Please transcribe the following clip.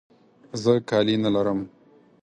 زه کالي نه لرم.